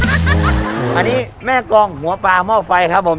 อันนี้แม่กองหัวปลาหม้อไฟครับผม